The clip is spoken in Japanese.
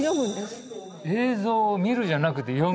映像を見るじゃなくて読む？